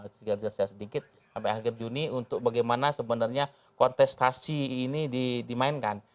sedikit sampai akhir juni untuk bagaimana sebenarnya kontestasi ini dimainkan